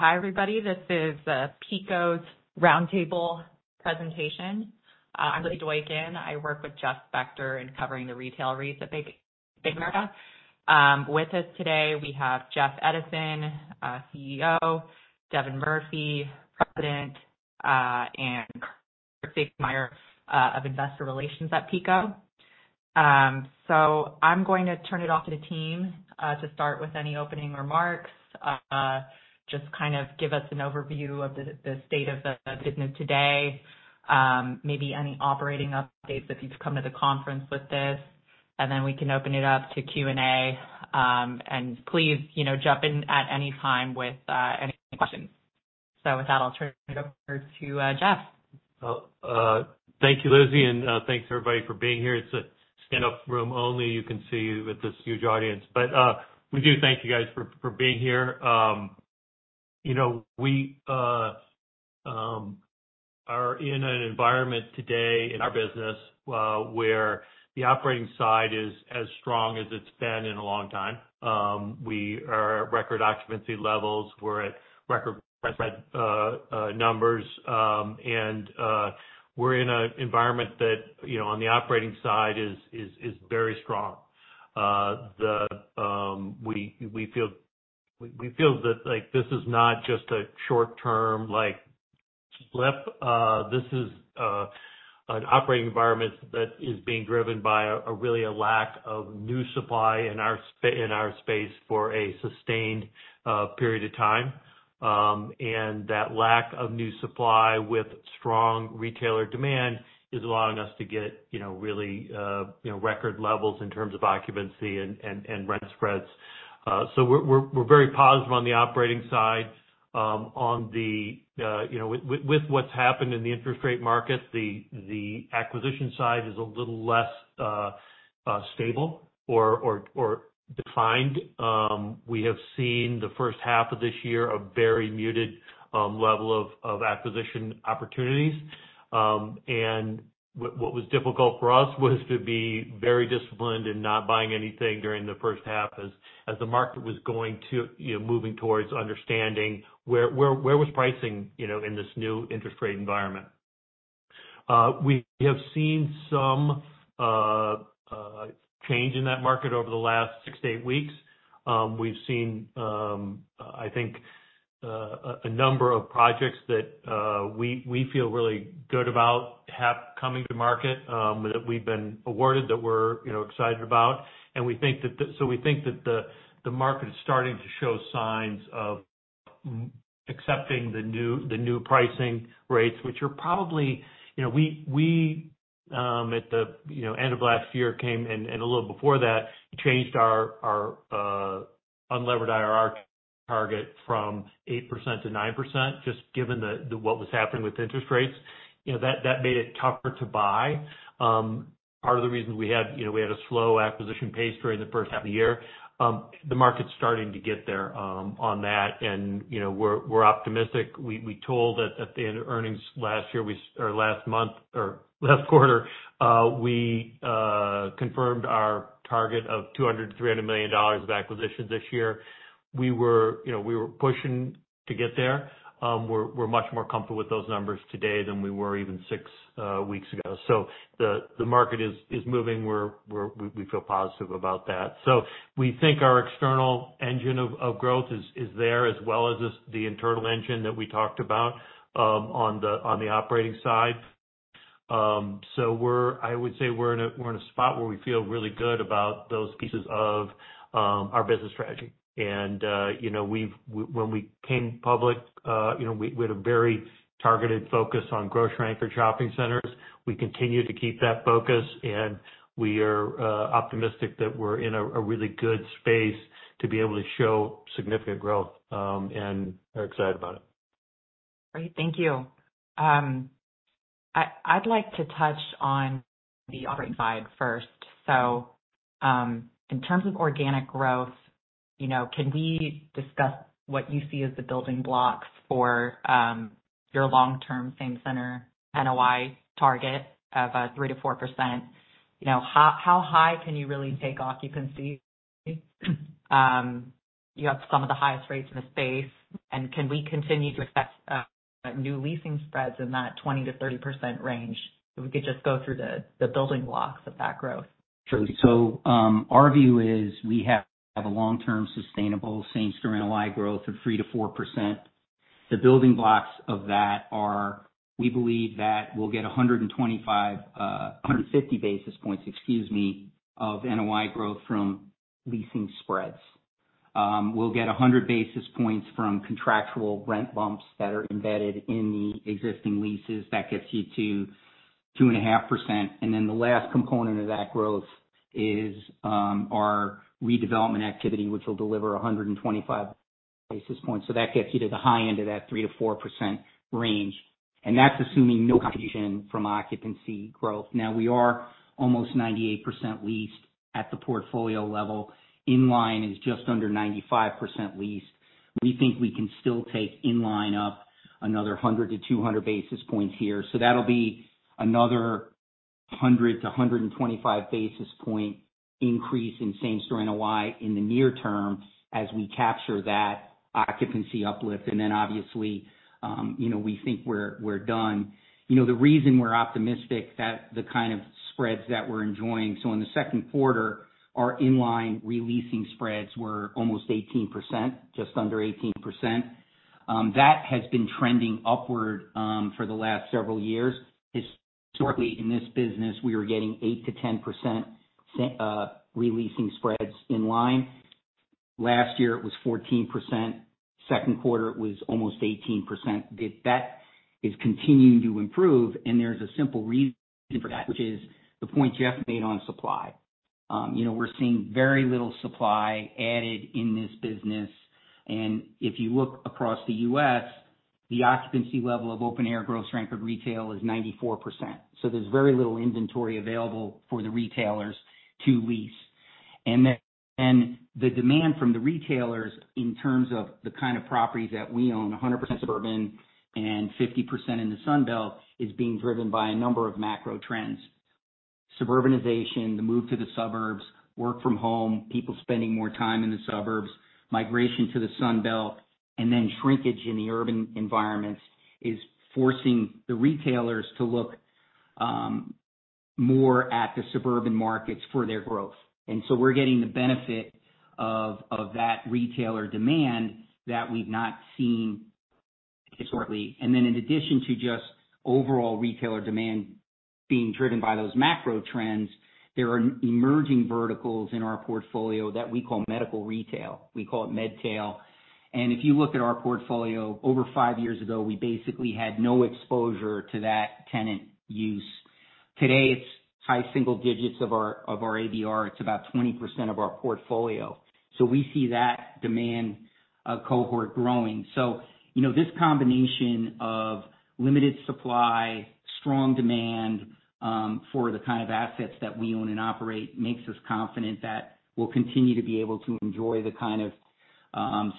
Hi, everybody. This is PECO's roundtable presentation. I'm Lizzy Doykan. I work with Jeff Spector in covering the retail REITs at BofA. With us today, we have Jeff Edison, CEO, Devin Murphy, President, and Curt Siegmeyer of Investor Relations at PECO. So I'm going to turn it over to the team to start with any opening remarks. Just kind of give us an overview of the state of the business today, maybe any operating updates, if you've come to the conference with this, and then we can open it up to Q&A. And please, you know, jump in at any time with any questions. So with that, I'll turn it over to Jeff. Well, thank you, Lizzie, and thanks, everybody, for being here. It's standing room only. You can see with this huge audience. But we do thank you guys for being here. You know, we are in an environment today in our business where the operating side is as strong as it's been in a long time. We are at record occupancy levels. We're at record numbers. And we're in an environment that, you know, on the operating side is very strong. We feel that, like, this is not just a short-term, like, blip. This is an operating environment that is being driven by really a lack of new supply in our space for a sustained period of time. That lack of new supply with strong retailer demand is allowing us to get, you know, really, you know, record levels in terms of occupancy and rent spreads. So we're very positive on the operating side. On the, you know, with what's happened in the interest rate market, the acquisition side is a little less stable or defined. We have seen the first half of this year a very muted level of acquisition opportunities. What was difficult for us was to be very disciplined in not buying anything during the first half, as the market was going to, you know, moving towards understanding where was pricing, you know, in this new interest rate environment. We have seen some change in that market over the last 6-8 weeks. We've seen, I think, a number of projects that we feel really good about have coming to market, that we've been awarded, that we're, you know, excited about. And we think that so we think that the market is starting to show signs of accepting the new pricing rates, which are probably. You know, we at the, you know, end of last year came, and a little before that, changed our unlevered IRR target from 8% to 9%, just given the what was happening with interest rates. You know, that made it tougher to buy. Part of the reason we had, you know, we had a slow acquisition pace during the first half of the year. The market's starting to get there on that and, you know, we're, we're optimistic. We told that at the end of earnings last year or last month or last quarter, we confirmed our target of $200 million-$300 million of acquisitions this year. We were, you know, we were pushing to get there. We're much more comfortable with those numbers today than we were even six weeks ago. So the market is moving. We feel positive about that. So we think our external engine of growth is there, as well as the internal engine that we talked about on the operating side. So, I would say we're in a spot where we feel really good about those pieces of our business strategy. And, you know, when we came public, you know, we had a very targeted focus on grocery-anchor shopping centers. We continue to keep that focus, and we are optimistic that we're in a really good space to be able to show significant growth, and are excited about it. Great. Thank you. I'd like to touch on the operating side first. So, in terms of organic growth, you know, can we discuss what you see as the building blocks for your long-term same-store NOI target of 3%-4%? You know, how high can you really take occupancy? You have some of the highest rates in the space, and can we continue to expect new leasing spreads in that 20%-30% range? If we could just go through the building blocks of that growth. Sure. So, our view is we have a long-term, sustainable same-store NOI growth of 3%-4%. The building blocks of that are, we believe that we'll get 125, a 150 basis points, excuse me, of NOI growth from leasing spreads. We'll get 100 basis points from contractual rent bumps that are embedded in the existing leases. That gets you to 2.5%. And then the last component of that growth is, our redevelopment activity, which will deliver 125 basis points. So that gets you to the high end of that 3%-4% range, and that's assuming no contribution from occupancy growth. Now, we are almost 98% leased at the portfolio level. Inline is just under 95% leased. We think we can still take inline-... another 100-200 basis points here. So that'll be another 100-125 basis point increase in same-store NOI in the near term, as we capture that occupancy uplift. And then obviously, you know, we think we're done. You know, the reason we're optimistic that the kind of spreads that we're enjoying. So in the second quarter, our inline re-leasing spreads were almost 18%, just under 18%. That has been trending upward for the last several years. Historically, in this business, we were getting 8%-10% re-leasing spreads in line. Last year, it was 14%. Second quarter, it was almost 18%. If that is continuing to improve, and there's a simple reason for that, which is the point Jeff made on supply. You know, we're seeing very little supply added in this business. And if you look across the U.S., the occupancy level of open-air grocery-anchored retail is 94%. So there's very little inventory available for the retailers to lease. And then the demand from the retailers in terms of the kind of properties that we own, 100% suburban and 50% in the Sun Belt, is being driven by a number of macro trends. Suburbanization, the move to the suburbs, work from home, people spending more time in the suburbs, migration to the Sun Belt, and then shrinkage in the urban environments, is forcing the retailers to look more at the suburban markets for their growth. And so we're getting the benefit of that retailer demand that we've not seen historically. Then in addition to just overall retailer demand being driven by those macro trends, there are emerging verticals in our portfolio that we call medical retail. We call it MedTail. And if you look at our portfolio over five years ago, we basically had no exposure to that tenant use. Today, it's high single digits of our, of our ABR. It's about 20% of our portfolio. So we see that demand cohort growing. So you know, this combination of limited supply, strong demand for the kind of assets that we own and operate makes us confident that we'll continue to be able to enjoy the kind of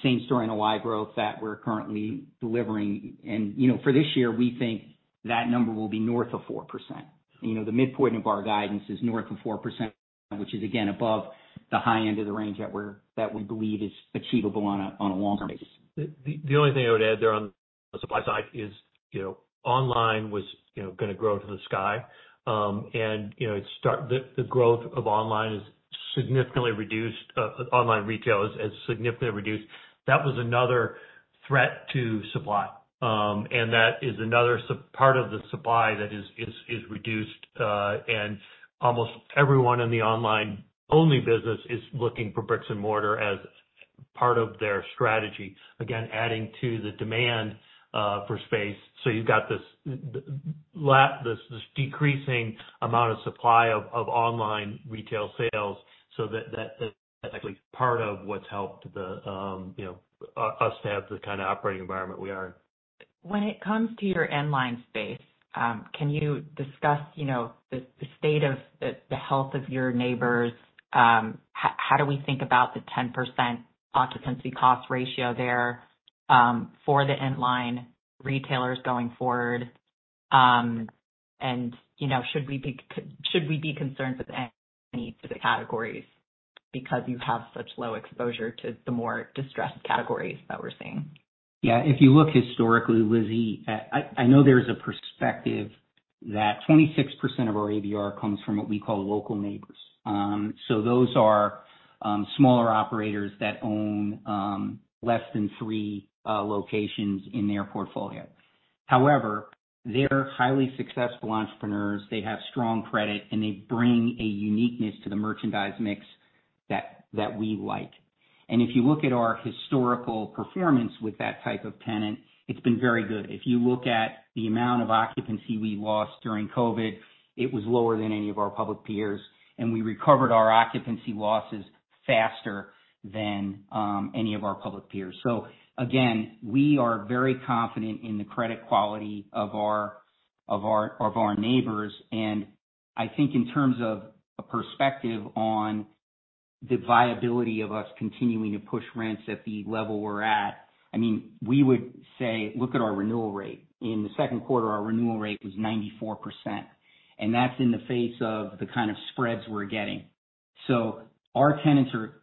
same-store NOI growth that we're currently delivering. And, you know, for this year, we think that number will be north of 4%. You know, the midpoint of our guidance is north of 4%, which is again above the high end of the range that we believe is achievable on a long basis. The only thing I would add there on the supply side is, you know, online was, you know, gonna grow to the sky. And, you know, the growth of online is significantly reduced. Online retail has significantly reduced. That was another threat to supply. And that is another part of the supply that is reduced, and almost everyone in the online-only business is looking for bricks and mortar as part of their strategy. Again, adding to the demand for space. So you've got this decreasing amount of supply of online retail sales, so that's actually part of what's helped the, you know, us to have the kind of operating environment we are in. When it comes to your inline space, can you discuss, you know, the state of the health of your neighbors? How do we think about the 10% occupancy cost ratio there for the inline retailers going forward? And, you know, should we be concerned with any of the categories, because you have such low exposure to the more distressed categories that we're seeing? Yeah. If you look historically, Lizzie, I know there's a perspective that 26% of our ABR comes from what we call local neighbors. So those are smaller operators that own less than three locations in their portfolio. However, they're highly successful entrepreneurs, they have strong credit, and they bring a uniqueness to the merchandise mix that we like. And if you look at our historical performance with that type of tenant, it's been very good. If you look at the amount of occupancy we lost during COVID, it was lower than any of our public peers, and we recovered our occupancy losses faster than any of our public peers. So again, we are very confident in the credit quality of our neighbors. I think in terms of a perspective on the viability of us continuing to push rents at the level we're at, I mean, we would say, look at our renewal rate. In the second quarter, our renewal rate was 94%, and that's in the face of the kind of spreads we're getting. So our tenants are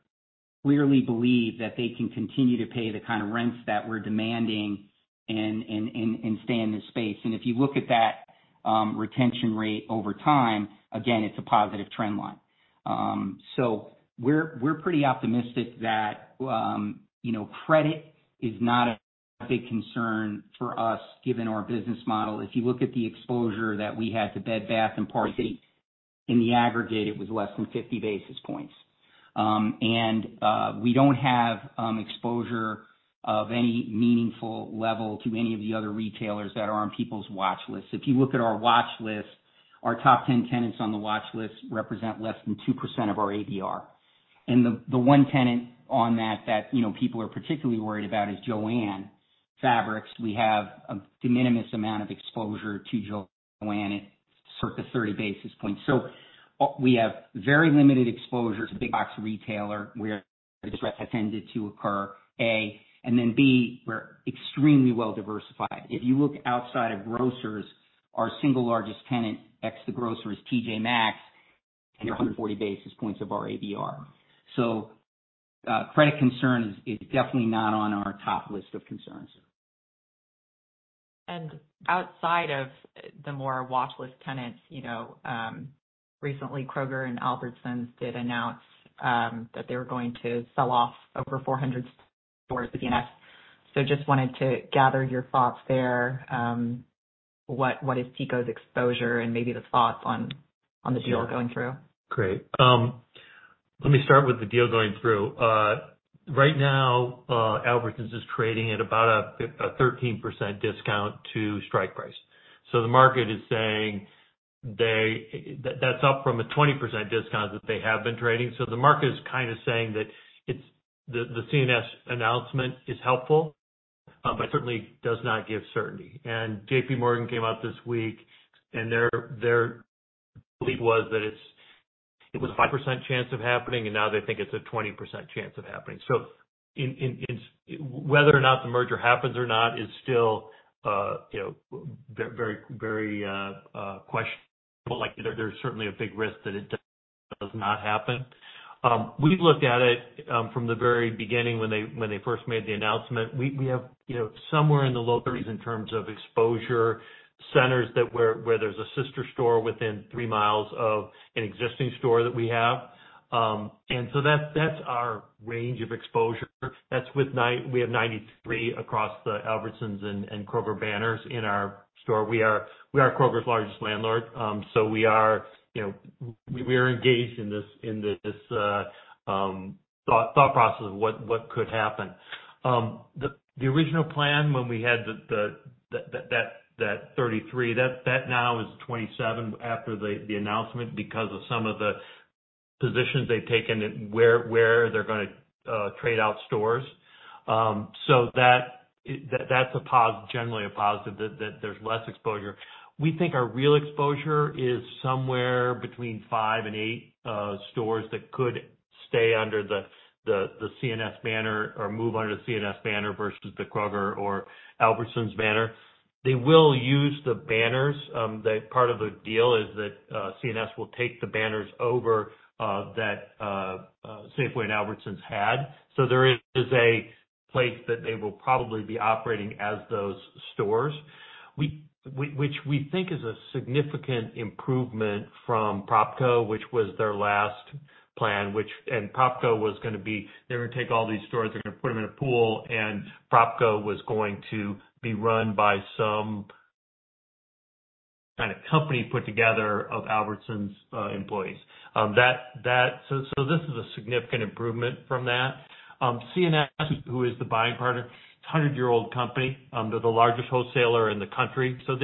clearly believe that they can continue to pay the kind of rents that we're demanding and stay in this space. And if you look at that, retention rate over time, again, it's a positive trend line. So we're, we're pretty optimistic that, you know, credit is not a big concern for us, given our business model. If you look at the exposure that we had to Bed Bath & Beyond, in the aggregate, it was less than 50 basis points. We don't have exposure of any meaningful level to any of the other retailers that are on people's watch lists. If you look at our watch list, our top 10 tenants on the watch list represent less than 2% of our ABR. And the one tenant on that, you know, people are particularly worried about is JOANN Fabrics. We have a de minimis amount of exposure to JOANN. It-... sort of 30 basis points. So, we have very limited exposure to big box retailer, where distress has tended to occur, A. And then B, we're extremely well diversified. If you look outside of grocers, our single largest tenant, ex the grocer, is T.J. Maxx, and they're 140 basis points of our ABR. So, credit concern is definitely not on our top list of concerns. Outside of the more watchlist tenants, you know, recently, Kroger and Albertsons did announce that they were going to sell off over 400 stores to C&S. So just wanted to gather your thoughts there. What, what is PECO's exposure and maybe the thoughts on, on the deal going through? Great. Let me start with the deal going through. Right now, Albertsons is trading at about a 13% discount to strike price. So the market is saying they that that's up from a 20% discount that they have been trading. So the market is kind of saying that it's, the C&S announcement is helpful, but certainly does not give certainty. And J.P. Morgan came out this week, and their belief was that it was a 5% chance of happening, and now they think it's a 20% chance of happening. So it's whether or not the merger happens or not is still, you know, very, very questionable. Like, there's certainly a big risk that it does not happen. We've looked at it from the very beginning when they first made the announcement. We have, you know, somewhere in the low 30s in terms of exposure centers where there's a sister store within three miles of an existing store that we have. And so that's our range of exposure. That's with—we have 93 across the Albertsons and Kroger banners in our store. We are Kroger's largest landlord, so we are, you know, we are engaged in this thought process of what could happen. The original plan when we had that 33 that now is 27 after the announcement, because of some of the positions they've taken and where they're gonna trade out stores. So that's generally a positive, that there's less exposure. We think our real exposure is somewhere between five and eight stores that could stay under the C&S banner or move under the C&S banner versus the Kroger or Albertsons banner. They will use the banners. The part of the deal is that C&S will take the banners over that Safeway and Albertsons had. So there is a place that they will probably be operating as those stores. Which we think is a significant improvement from PropCo, which was their last plan, which... And PropCo was gonna be, they were gonna take all these stores, they're gonna put them in a pool, and PropCo was going to be run by some kind of company put together of Albertsons employees. That—so this is a significant improvement from that. C&S, who is the buying partner, it's a 100-year-old company. They're the largest wholesaler in the country, so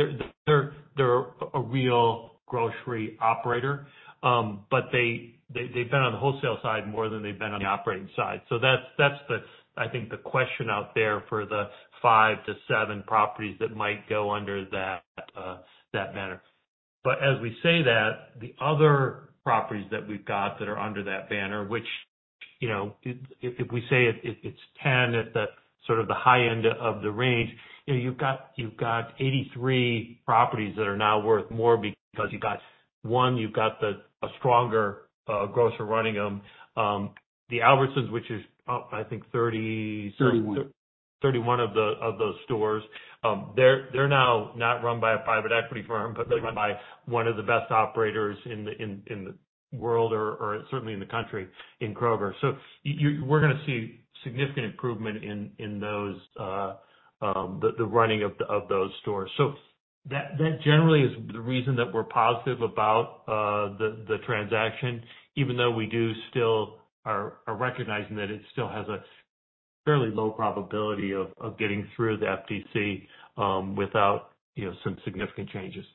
they're a real grocery operator. But they've been on the wholesale side more than they've been on the operating side. So that's, I think, the question out there for the 5-7 properties that might go under that banner. But as we say that, the other properties that we've got that are under that banner, which, you know, if we say it, it's 10 at the sort of the high end of the range, you know, you've got 83 properties that are now worth more because you've got, one, you've got a stronger grocer running them. The Albertsons, which is, I think thirty- Thirty-one. 31 of those stores, they're now not run by a private equity firm- Mm-hmm. But they're run by one of the best operators in the world, or certainly in the country, in Kroger. So we're gonna see significant improvement in those, the running of those stores. So that generally is the reason that we're positive about the transaction, even though we do still are recognizing that it still has a fairly low probability of getting through the FTC without some significant changes.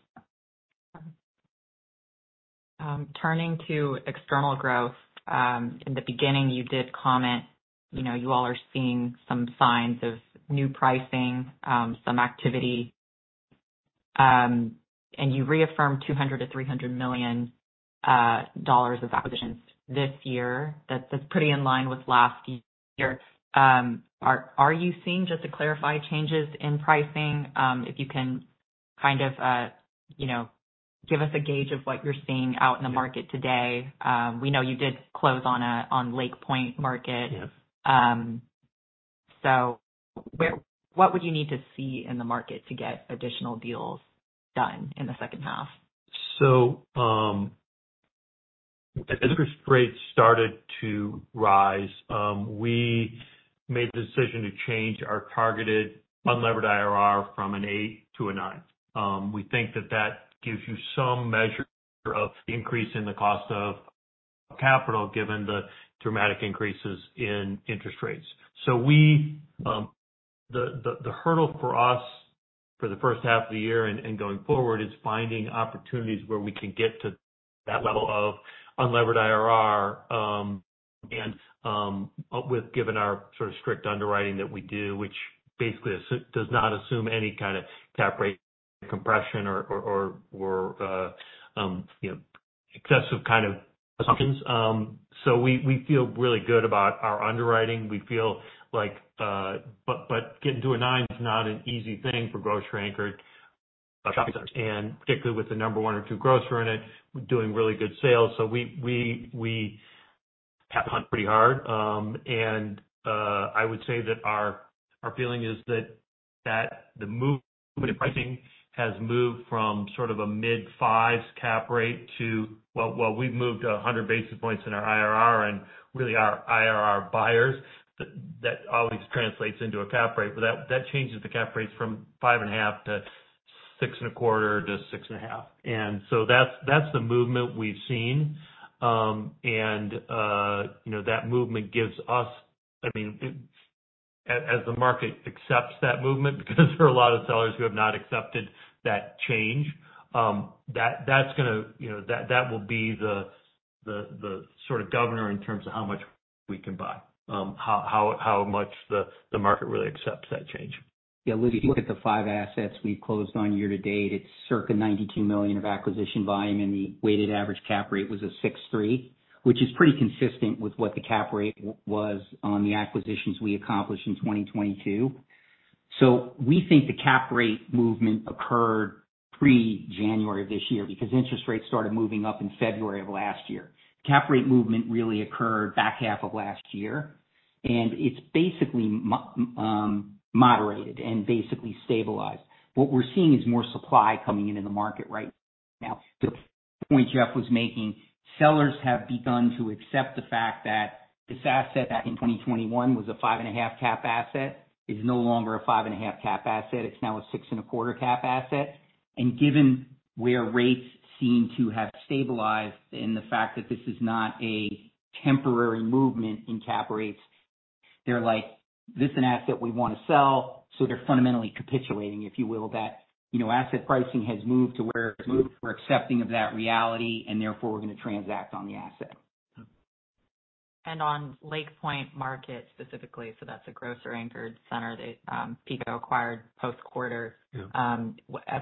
Turning to external growth. In the beginning, you did comment, you know, you all are seeing some signs of new pricing, some activity, and you reaffirmed $200 million-$300 million of acquisitions this year. That's, that's pretty in line with last year. Are, are you seeing, just to clarify, changes in pricing? If you can kind of, you know, give us a gauge of what you're seeing out in the market today. We know you did close on a, on Lake Pointe Market. Yes. So, what would you need to see in the market to get additional deals done in the second half? So, as interest rates started to rise, we made the decision to change our targeted unlevered IRR from an 8 to a 9. We think that that gives you some measure of the increase in the cost of capital, given the dramatic increases in interest rates. So, the hurdle for us, for the first half of the year and going forward, is finding opportunities where we can get to that level of unlevered IRR and, given our sort of strict underwriting that we do, which basically does not assume any kind of cap rate compression or, you know, excessive kind of assumptions. So we feel really good about our underwriting. We feel like, but getting to a nine is not an easy thing for grocery-anchored shopping centers, and particularly with the number one or two grocer in it, doing really good sales. So we have to hunt pretty hard. And I would say that our feeling is that pricing has moved from sort of a mid-5s cap rate to well, we've moved 100 basis points in our IRR, and really our IRR buyers, that always translates into a cap rate. But that changes the cap rates from 5.5 to 6.25 to 6.5. And so that's the movement we've seen. You know, that movement gives us. I mean, as the market accepts that movement, because there are a lot of sellers who have not accepted that change. That's gonna, you know, that will be the sort of governor in terms of how much we can buy. How much the market really accepts that change. Yeah, if you look at the five assets we've closed on year to date, it's circa $92 million of acquisition volume, and the weighted average cap rate was a 6.3%, which is pretty consistent with what the cap rate was on the acquisitions we accomplished in 2022. So we think the cap rate movement occurred pre-January of this year, because interest rates started moving up in February of last year. Cap rate movement really occurred back half of last year, and it's basically moderated and basically stabilized. What we're seeing is more supply coming into the market right now. The point Jeff was making, sellers have begun to accept the fact that this asset back in 2021 was a 5.5% cap asset, is no longer a 5.5% cap asset, it's now a 6.25% cap asset. And given where rates seem to have stabilized, and the fact that this is not a temporary movement in cap rates, they're like, "This is an asset we want to sell." So they're fundamentally capitulating, if you will, that, you know, asset pricing has moved to where it's moved. We're accepting of that reality, and therefore we're going to transact on the asset. On Lake Pointe Market specifically, so that's a grocery-anchored center that PECO acquired post-quarter. Yeah.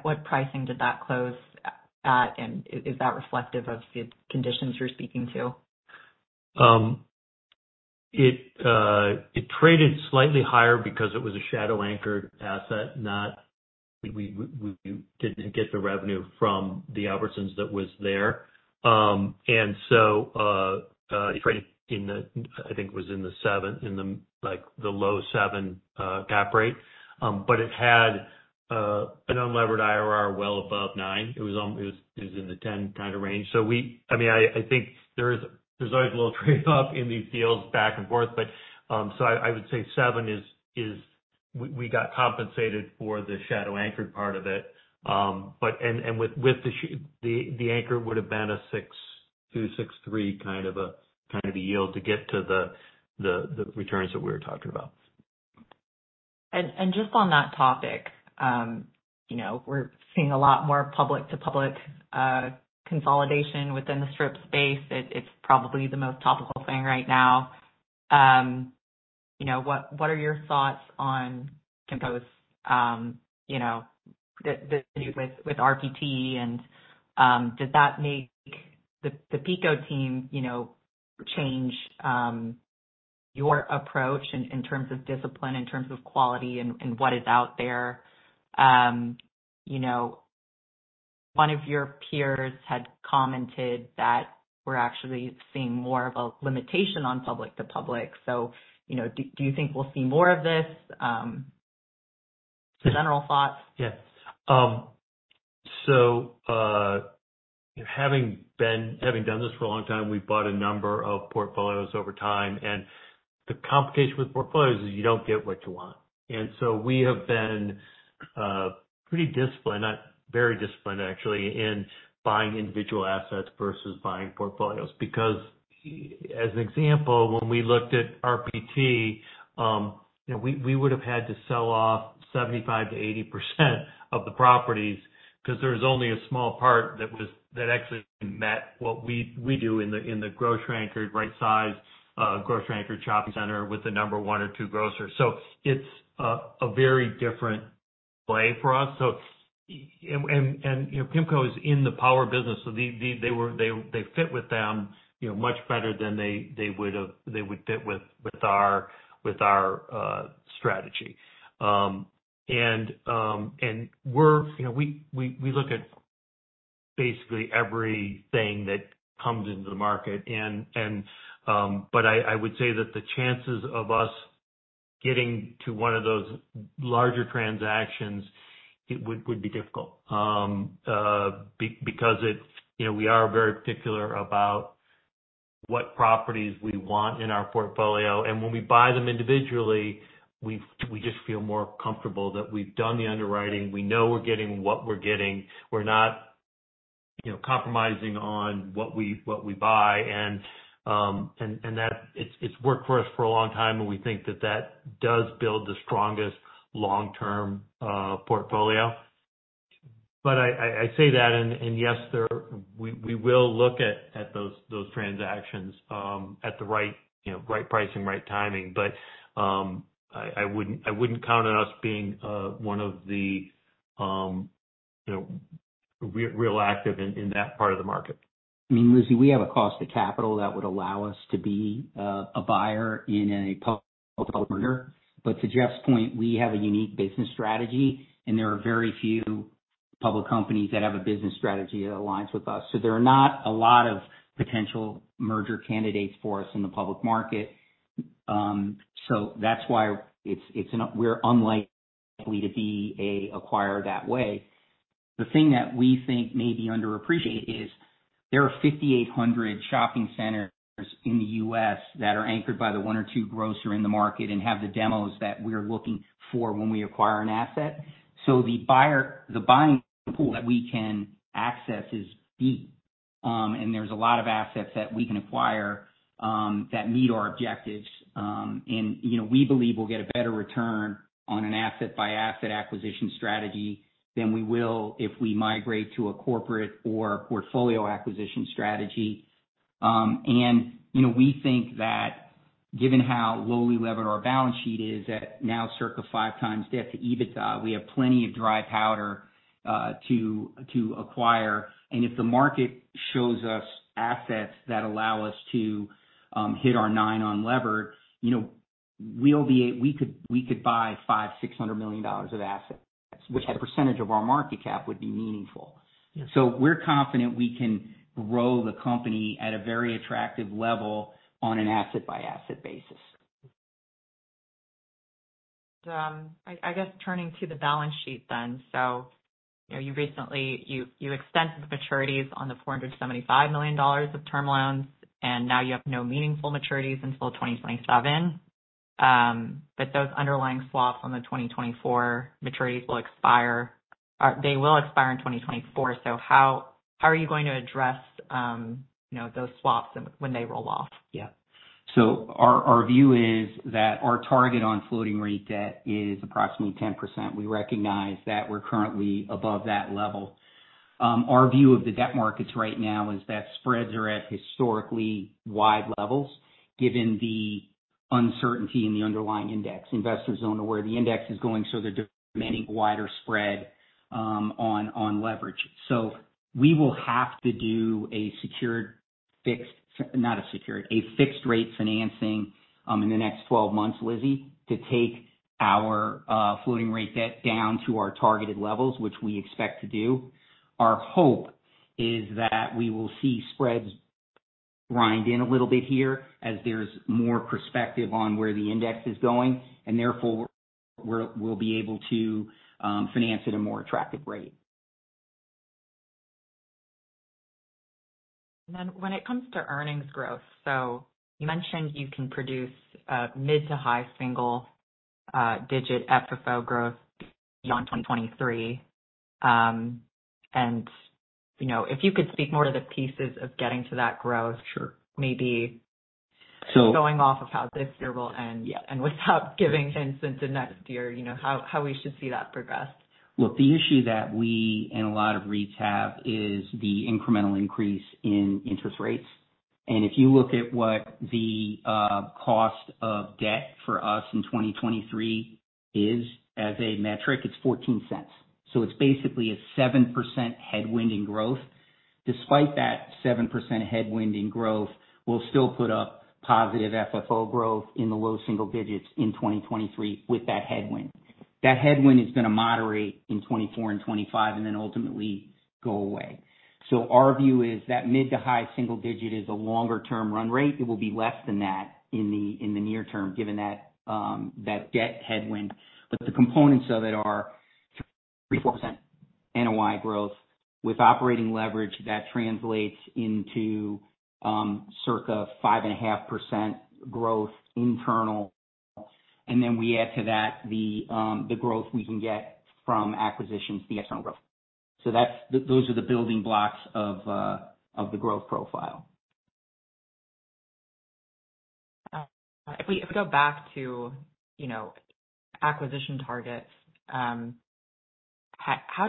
What pricing did that close at, and is that reflective of the conditions you're speaking to? It traded slightly higher because it was a shadow-anchored asset, not we didn't get the revenue from the Albertsons that was there. And so it traded in the, I think it was in the seven, in the, like, the low seven cap rate. But it had an unlevered IRR well above nine. It was in the 10 kind of range. So we I mean, I think there is, there's always a little trade-off in these deals back and forth. But so I would say seven is... We got compensated for the shadow-anchored part of it. With the shadow anchor would've been a 6-6.3, kind of the yield to get to the returns that we were talking about. Just on that topic, you know, we're seeing a lot more public-to-public consolidation within the strip space. It's probably the most topical thing right now. You know, what are your thoughts on Kimco's with RPT and, did that make the PECO team, you know, change your approach in terms of discipline, in terms of quality, and what is out there? You know, one of your peers had commented that we're actually seeing more of a limitation on public to public. So, you know, do you think we'll see more of this? Just general thoughts. Yeah. So, having done this for a long time, we've bought a number of portfolios over time, and the complication with portfolios is you don't get what you want. And so we have been, pretty disciplined, not very disciplined actually, in buying individual assets versus buying portfolios. Because as an example, when we looked at RPT, you know, we, we would have had to sell off 75%-80% of the properties, because there was only a small part that actually met what we, we do in the, in the grocery-anchored, right size, grocery-anchored shopping center with the number one or two grocers. So it's, a very different play for us. You know, Kimco is in the power business, so they fit with them, you know, much better than they would fit with our strategy. And we're, you know, we look at basically everything that comes into the market. But I would say that the chances of us getting to one of those larger transactions, it would be difficult, because it's, you know, we are very particular about what properties we want in our portfolio. And when we buy them individually, we just feel more comfortable that we've done the underwriting. We know we're getting what we're getting. We're not, you know, compromising on what we buy, and that it's worked for us for a long time, and we think that that does build the strongest long-term portfolio. But I say that, and yes, there we will look at those transactions at the right, you know, right price and right timing. But I wouldn't count on us being one of the, you know, real active in that part of the market. I mean, Lizzie, we have a cost of capital that would allow us to be a buyer in a public merger. But to Jeff's point, we have a unique business strategy, and there are very few public companies that have a business strategy that aligns with us. So there are not a lot of potential merger candidates for us in the public market. So that's why it's, it's we're unlikely to be an acquirer that way. The thing that we think may be underappreciated is, there are 5,800 shopping centers in the U.S. that are anchored by the one or two grocer in the market, and have the demos that we're looking for when we acquire an asset. So the buyer, the buying pool that we can access is deep. And there's a lot of assets that we can acquire that meet our objectives. And, you know, we believe we'll get a better return on an asset-by-asset acquisition strategy than we will if we migrate to a corporate or portfolio acquisition strategy. And, you know, we think that given how lowly levered our balance sheet is, at now circa 5x debt to EBITDA, we have plenty of dry powder to acquire. And if the market shows us assets that allow us to hit our 9 on lever, you know, we could buy $500 million-$600 million of assets, which as a percentage of our market cap would be meaningful. Yeah. We're confident we can grow the company at a very attractive level on an asset-by-asset basis. I guess turning to the balance sheet then. So, you know, you recently... You extended the maturities on the $475 million of term loans, and now you have no meaningful maturities until 2027. But those underlying swaps on the 2024 maturities will expire-- or they will expire in 2024. So how are you going to address, you know, those swaps when they roll off? Yeah. So our view is that our target on floating rate debt is approximately 10%. We recognize that we're currently above that level. Our view of the debt markets right now is that spreads are at historically wide levels, given the uncertainty in the underlying index. Investors don't know where the index is going, so they're demanding wider spread on leverage. So we will have to do a fixed rate financing in the next 12 months, Lizzie, to take our floating rate debt down to our targeted levels, which we expect to do. Our hope is that we will see spreads grind in a little bit here as there's more perspective on where the index is going, and therefore, we'll be able to finance at a more attractive rate. And then when it comes to earnings growth, so you mentioned you can produce mid- to high-single-digit FFO growth beyond 2023. You know, if you could speak more to the pieces of getting to that growth- Sure. -maybe- So- going off of how this year will end, yeah, and without giving hints into next year, you know, how, how we should see that progress? Well, the issue that we and a lot of REITs have is the incremental increase in interest rates. If you look at what the cost of debt for us in 2023 is, as a metric, it's $0.14. So it's basically a 7% headwind in growth. Despite that 7% headwind in growth, we'll still put up positive FFO growth in the low single digits in 2023 with that headwind. That headwind is going to moderate in 2024 and 2025, and then ultimately go away. So our view is that mid- to high-single-digit is a longer term run rate. It will be less than that in the near term, given that that debt headwind. But the components of it are 3-4% NOI growth. With operating leverage, that translates into circa 5.5% growth internal. And then we add to that, the growth we can get from acquisitions, the external growth. So that's, those are the building blocks of the growth profile. If we go back to, you know, acquisition targets, how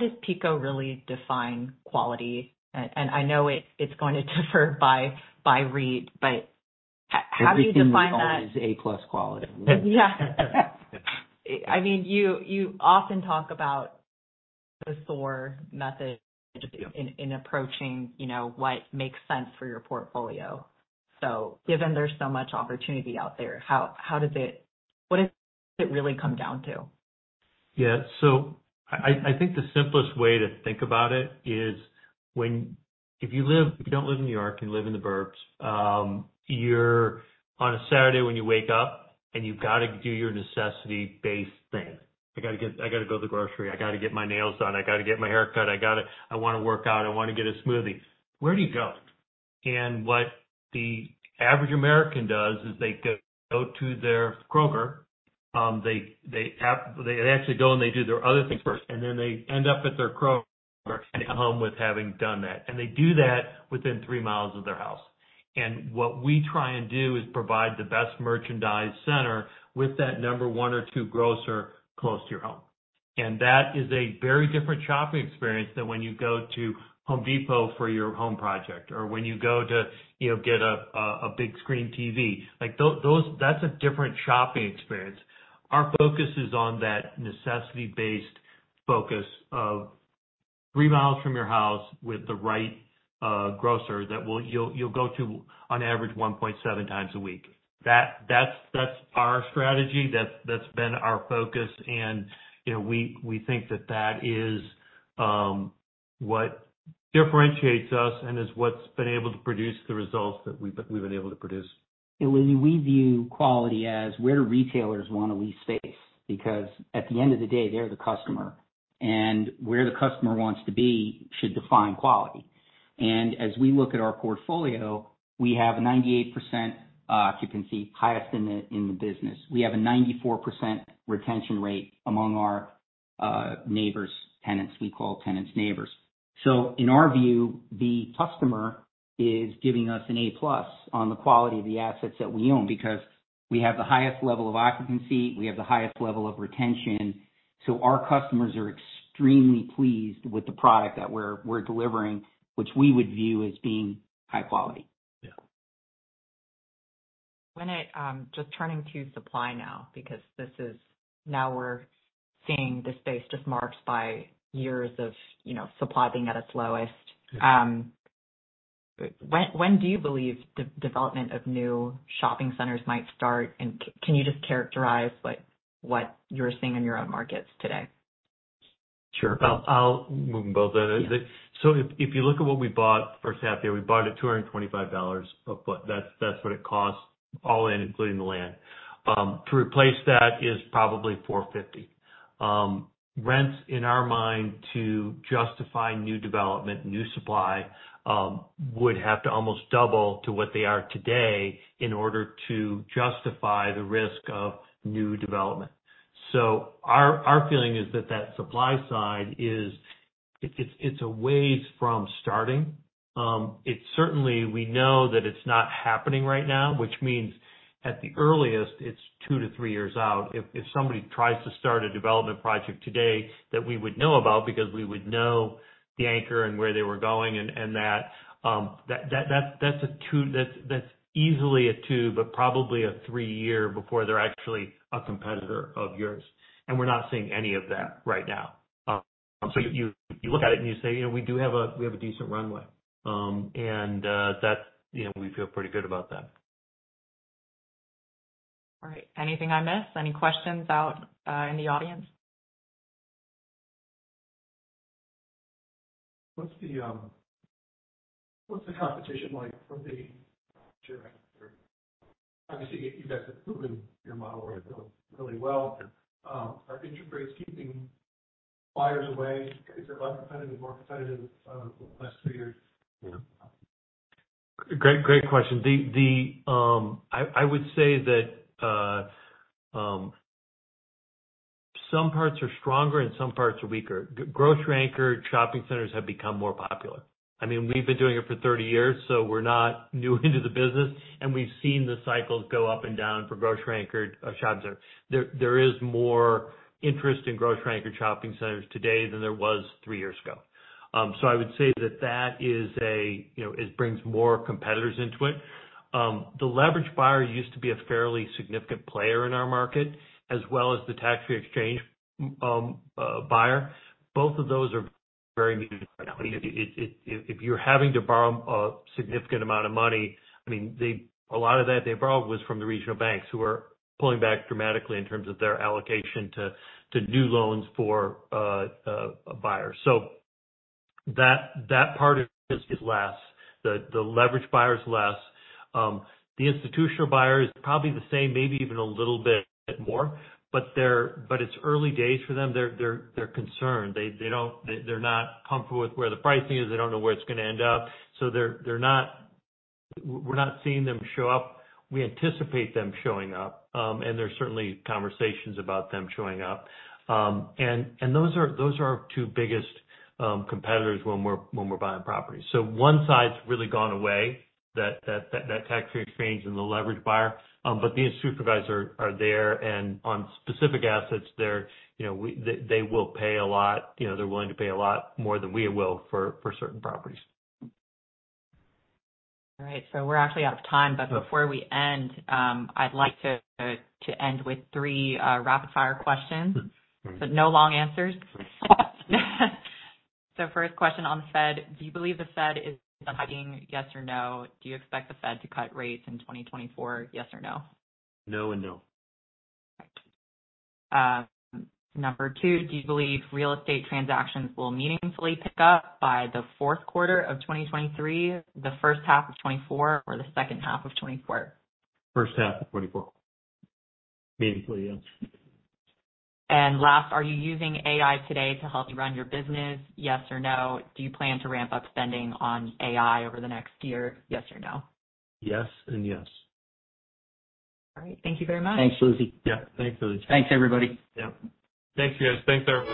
does PECO really define quality? And I know it's going to differ by REIT, but how do you define that? Everything is A-plus quality. Yeah. I mean, you often talk about the SOAR method in approaching, you know, what makes sense for your portfolio. So given there's so much opportunity out there, how does it—what does it really come down to? Yeah. So I think the simplest way to think about it is, if you don't live in New York and you live in the burbs, you're on a Saturday, when you wake up and you've got to do your necessity-based thing. I gotta go to the grocery. I gotta get my nails done. I gotta get my hair cut. I gotta I wanna work out. I wanna get a smoothie. Where do you go? And what the average American does is they go to their Kroger. They actually go, and they do their other things first, and then they end up at their Kroger, and they come home with having done that. And they do that within three miles of their house. What we try and do is provide the best shopping center with that number one or two grocer close to your home. And that is a very different shopping experience than when you go to Home Depot for your home project, or when you go to, you know, get a big screen TV. Like, those, that's a different shopping experience. Our focus is on that necessity-based focus of three miles from your house with the right grocer that will, you'll go to on average 1.7 times a week. That, that's, that's our strategy, that, that's been our focus. And, you know, we, we think that that is, what differentiates us and is what's been able to produce the results that we've, we've been able to produce. And we view quality as where do retailers want to lease space? Because at the end of the day, they're the customer, and where the customer wants to be should define quality. And as we look at our portfolio, we have 98% occupancy, highest in the business. We have a 94% retention rate among our neighbors, tenants. We call tenants, neighbors. So in our view, the customer is giving us an A+ on the quality of the assets that we own, because we have the highest level of occupancy, we have the highest level of retention. So our customers are extremely pleased with the product that we're delivering, which we would view as being high quality. Yeah. Just turning to supply now, because this is now we're seeing the space just marked by years of, you know, supply being at its lowest. Yeah. When do you believe development of new shopping centers might start? And can you just characterize, like, what you're seeing in your own markets today? Sure. I'll, I'll move them both. Yeah. So if you look at what we bought first half the year, we bought it at $225, but that's what it costs, all in, including the land. To replace that is probably $450. Rents, in our mind, to justify new development, new supply, would have to almost double to what they are today in order to justify the risk of new development. So our feeling is that the supply side is, it's a ways from starting. It's certainly. We know that it's not happening right now, which means at the earliest, it's 2-3 years out. If somebody tries to start a development project today that we would know about, because we would know the anchor and where they were going, and that's easily a 2, but probably a 3 year before they're actually a competitor of yours. And we're not seeing any of that right now. So you look at it and you say, "You know, we do have a decent runway." And that, you know, we feel pretty good about that. All right. Anything I missed? Any questions out in the audience? What's the, what's the competition like from the grocery-anchor? Obviously, you guys have proven your model right really, really well. Are interest rates keeping buyers away? Is it less competitive, more competitive, than the last three years? Yeah. Great, great question. I would say that some parts are stronger and some parts are weaker. grocery-anchor shopping centers have become more popular. I mean, we've been doing it for 30 years, so we're not new into the business, and we've seen the cycles go up and down for grocery-anchored shopping centers. There is more interest in grocery-anchored shopping centers today than there was 3 years ago. So I would say that that is a, you know, it brings more competitors into it. The leveraged buyer used to be a fairly significant player in our market, as well as the tax-free exchange buyer. Both of those are very muted right now. I mean, if you're having to borrow a significant amount of money, I mean, a lot of that they borrowed was from the regional banks, who are pulling back dramatically in terms of their allocation to new loans for buyers. So that part is less, the leveraged buyer is less. The institutional buyer is probably the same, maybe even a little bit more, but they're but it's early days for them. They're concerned. They're not comfortable with where the pricing is. They don't know where it's going to end up, so they're not. We're not seeing them show up. We anticipate them showing up, and there's certainly conversations about them showing up. And those are our two biggest competitors when we're buying properties. So one side's really gone away, that tax-free exchange and the leveraged buyer, but the institution buyers are there, and on specific assets, they're, you know, they will pay a lot, you know, they're willing to pay a lot more than we will for certain properties. All right, so we're actually out of time. Yeah. Before we end, I'd like to end with three rapid-fire questions. Mm-hmm. No long answers. So first question on the Fed: Do you believe the Fed is done hiking, yes or no? Do you expect the Fed to cut rates in 2024, yes or no? No and no. Right. Number two, do you believe real estate transactions will meaningfully pick up by the fourth quarter of 2023, the first half of 2024, or the second half of 2024? First half of 2024. Meaningfully, yes. Last, are you using AI today to help you run your business, yes or no? Do you plan to ramp up spending on AI over the next year, yes or no? Yes and yes. All right. Thank you very much. Thanks, Lizzie. Yeah. Thanks, Lizzie. Thanks, everybody. Yeah. Thanks, guys. Thanks, everyone.